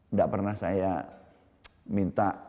enggak pernah saya minta